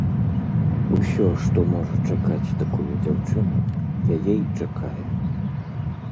Усё, што можа чакаць такую дзяўчыну, яе і чакае.